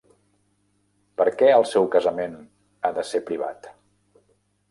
Per què el seu casament ha de ser privat?